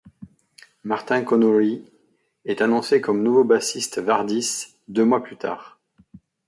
Martin Connolly est annoncé comme nouveau bassiste Vardis deux mois plus tard.